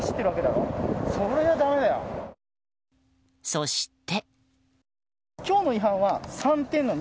そして。